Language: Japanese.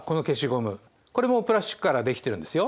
これもプラスチックからできてるんですよ。